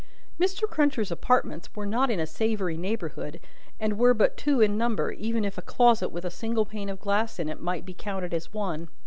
Mr. Cruncher's apartments were not in a savoury neighbourhood, and were but two in number, even if a closet with a single pane of glass in it might be counted as one.